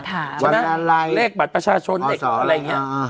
อ่าถามวันอะไรเลขบัตรประชาชนอะไรอย่างเงี้ย